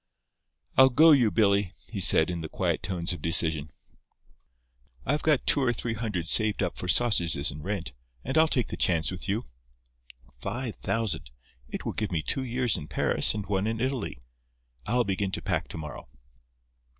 "I'll go you, Billy," he said, in the quiet tones of decision. "I've got two or three hundred saved up for sausages and rent; and I'll take the chance with you. Five thousand! It will give me two years in Paris and one in Italy. I'll begin to pack to morrow."